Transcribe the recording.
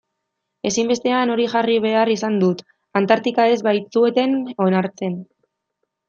Ezinbestean hori jarri behar izan dut, Antartika ez baitzuten onartzen.